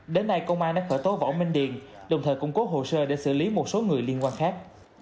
đến nay công an đã khởi tố võ minh điền đồng thời củng cố hồ sơ để xử lý một số người liên quan khác